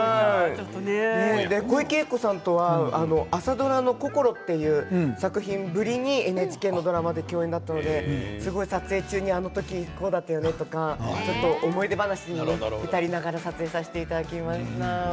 小池栄子さんとは朝ドラの「こころ」という作品ぶりにＮＨＫのドラマで共演だったのですごく撮影中あの時こうだったよねとか思い出話に浸りながら撮影させていただきました。